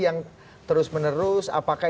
yang terus menerus apakah